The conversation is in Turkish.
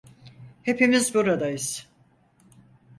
Hepimiz buradayız.